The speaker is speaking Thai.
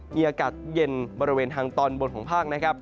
มีอากาศเย็นบริเวณทางตอนบนของภาคนะครับ